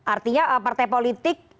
artinya partai politik